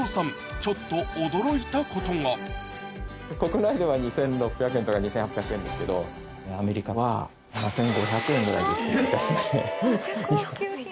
でも国内では２６００円とか２８００円ですけどアメリカは７５００円ぐらいですね。